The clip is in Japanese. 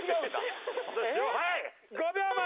はい５秒前。